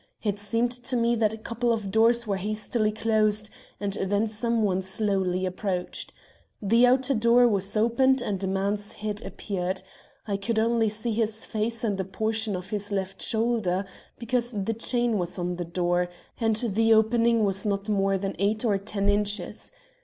It seemed to me that a couple of doors were hastily closed, and then someone slowly approached. The outer door was opened and a man's head appeared. I could only see his face and a portion of his left shoulder, because the chain was on the door, and the opening was not more than eight or ten inches.